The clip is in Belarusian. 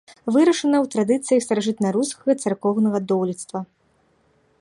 Вырашана ў традыцыях старажытнарускага царкоўнага дойлідства.